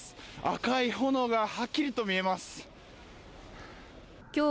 赤い炎がはっきりと見えます。